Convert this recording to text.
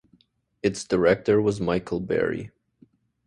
Its director was Michael Berry.